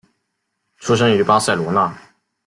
出生于巴塞罗那。